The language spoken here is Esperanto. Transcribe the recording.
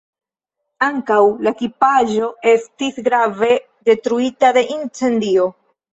Ankaŭ la ekipaĵo estis grave detruita de incendio.